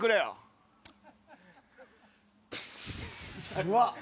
「うわっ！